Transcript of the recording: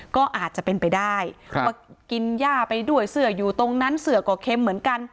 ก็อาจจะเป็นไปได้ว่ากินย่าไปด้วยเสื้ออยู่ตรงนั้นเสือก็เค็มเหมือนกัน